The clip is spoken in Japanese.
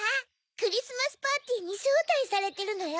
クリスマスパーティーにしょうたいされてるのよ。